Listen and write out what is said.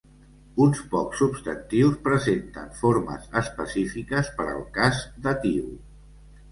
Uns pocs substantius presenten formes específiques per al cas datiu.